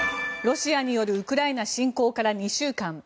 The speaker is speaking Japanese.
ロシアによるウクライナ侵攻から２週間。